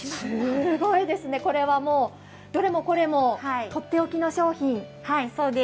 すごいですね、これはどれもこれもとっておきの商品。